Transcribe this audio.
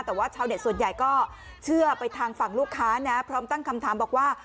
แต่ว่าชาวเน็ตส่วนใหญ่ก็เชื่อไปทางฝั่งลูกค้านะพร้อมตั้งคำถามบอกว่า